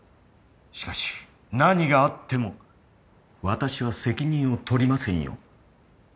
しかし何があっても私は責任を取りませんよ？